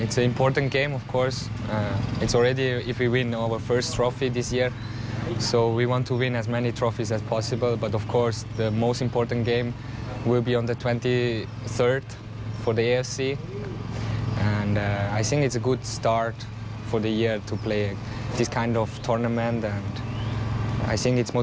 ฉันคิดว่ามันคิดว่าทุกคนต้องพร้อมแล้วก็มีเวลาอีกนิดนึง